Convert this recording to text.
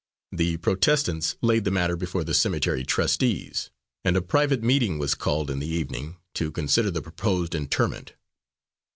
The protestants laid the matter before the Cemetery trustees, and a private meeting was called in the evening to consider the proposed interment.